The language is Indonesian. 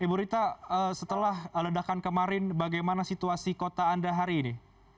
ibu rita setelah ledakan kemarin bagaimana situasi kota anda hari ini